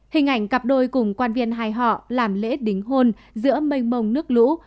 hình ảnh cặp đôi cùng quan viên hài họ làm lễ đính hôn giữa mây mông nước lũ